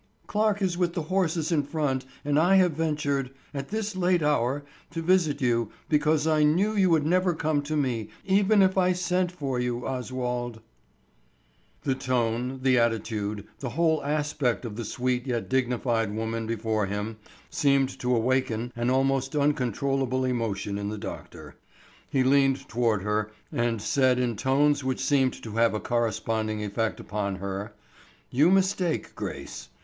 "Clarke is with the horses in front and I have ventured—at this late hour—to visit you, because I knew you would never come to me, even if I sent for you, Oswald." The tone, the attitude, the whole aspect of the sweet yet dignified woman before him, seemed to awaken an almost uncontrollable emotion in the doctor. He leaned toward her and said in tones which seemed to have a corresponding effect upon her: "You mistake, Grace.